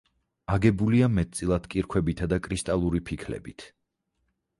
აგებულია მეტწილად კირქვებითა და კრისტალური ფიქლებით.